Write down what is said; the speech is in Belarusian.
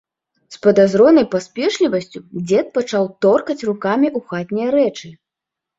З падазронай паспешлівасцю дзед пачаў торкаць рукамі ў хатнія рэчы.